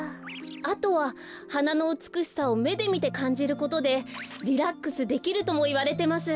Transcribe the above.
あとははなのうつくしさをめでみてかんじることでリラックスできるともいわれてます。